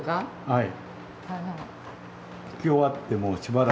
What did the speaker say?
はい。